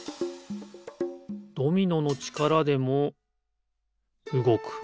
ドミノのちからでもうごく。